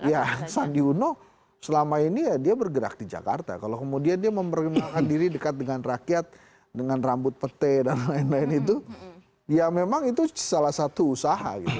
ya sandi uno selama ini ya dia bergerak di jakarta kalau kemudian dia memperkenalkan diri dekat dengan rakyat dengan rambut pete dan lain lain itu ya memang itu salah satu usaha gitu